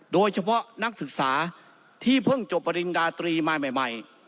โดยเฉพาะนักศึกษาที่เพิ่งจบอรินดา๓ใหม่